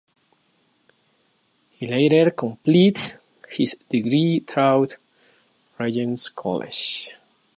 He later completed his degree through Regents College.